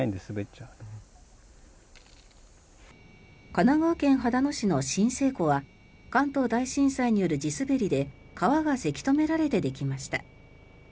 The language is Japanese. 神奈川県秦野市の震生湖は関東大震災による地滑りで川がせき止められてできました。